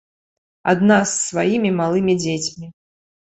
Адна з сваімі малымі дзецьмі.